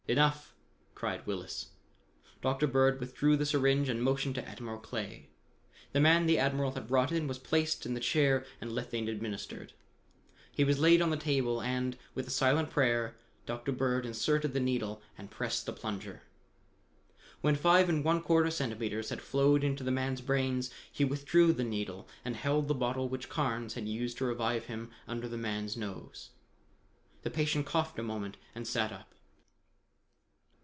"Enough!" cried Willis. Dr. Bird withdrew the syringe and motioned to Admiral Clay. The man the Admiral had brought in was placed in the chair and lethane administered. He was laid on the table, and, with a silent prayer, Dr. Bird inserted the needle and pressed the plunger. When five and one quarter centimeters had flowed into the man's brains, he withdrew the needle and held the bottle which Carnes had used to revive him under the man's nose. The patient coughed a moment and sat up.